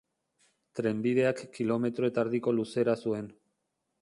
Trenbideak kilometro eta erdiko luzera zuen.